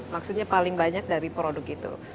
maksudnya paling banyak dari produk itu